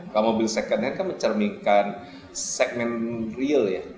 kalau mobil second nya kan mencerminkan segmen real ya